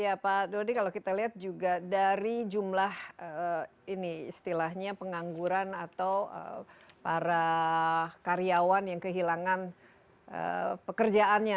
ya pak dodi kalau kita lihat juga dari jumlah ini istilahnya pengangguran atau para karyawan yang kehilangan pekerjaannya